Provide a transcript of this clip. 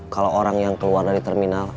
kalau orang yang keluar dari terminal